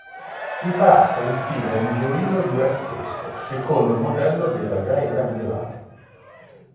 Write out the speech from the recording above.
Il palazzo è in stile angioino-durazzesco, secondo il modello della Gaeta medievale.